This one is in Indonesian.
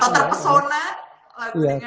atau terpesona lagu dengan yofi